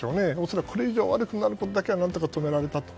恐らくこれ以上悪くなることだけは何とか止められたと。